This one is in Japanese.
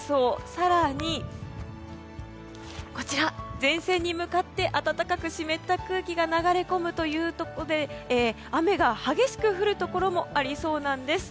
更に、前線に向かって暖かく湿った空気が流れ込むということで雨が激しく降るところもありそうなんです。